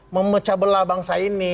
memecah belah bangsa ini